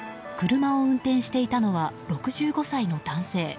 車を運転していたのは６５歳の男性。